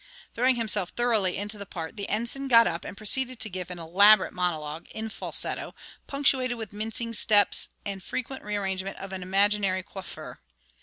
'" Throwing himself thoroughly into the part, the Ensign got up and proceeded to give an elaborate monologue, in falsetto, punctuated with mincing steps and frequent rearrangement of an imaginary coiffure.